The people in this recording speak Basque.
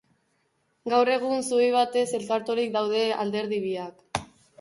Gaur egun zubi batez elkarturik daude alderdi biak.